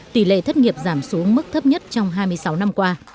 tỷ lệ thất nghiệp giảm xuống mức thấp nhất trong hai mươi sáu năm qua